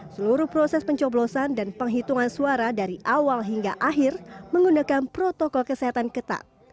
seluruh proses pencoblosan dan penghitungan suara dari awal hingga akhir menggunakan protokol kesehatan ketat